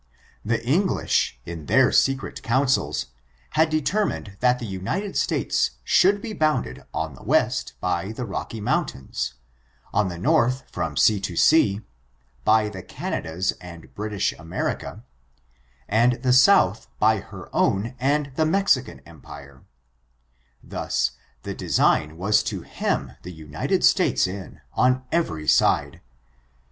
The English, in their secret councils, had deter mined that the United States should be bounded on the west by the Rocky Mountains, on the north from sea to sea, by the Canadas and British America, and the south by her own and the Mexican empire: thus, the design was to hem the United States in on every side.